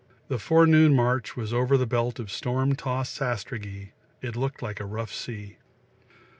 The forenoon march was over the belt of storm tossed sastrugi; it looked like a rough sea.